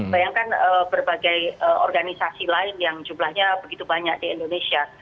bayangkan berbagai organisasi lain yang jumlahnya begitu banyak di indonesia